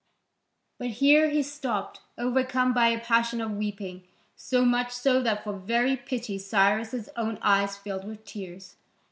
But here he stopped, overcome by a passion of weeping, so much so that for very pity Cyrus' own eyes filled with tears.